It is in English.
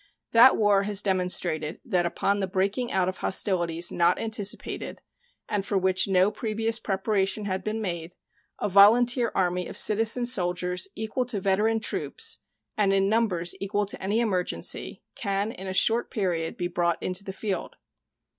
That war has demonstrated that upon the breaking out of hostilities not anticipated, and for which no previous preparation had been made, a volunteer army of citizen soldiers equal to veteran troops, and in numbers equal to any emergency, can in a short period be brought into the field.